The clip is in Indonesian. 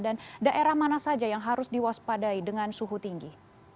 dan daerah mana saja yang harus diwaspadai dengan suhu tinggi